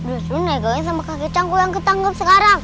udah sunegahin sama kakek cangguh yang ditanggap sekarang